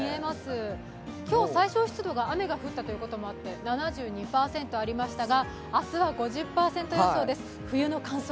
今日最小湿度が雨が降ったということで７２％ありましたが明日は５０％予想です。